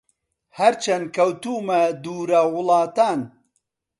هەرچەن کەوتوومە دوورە وڵاتان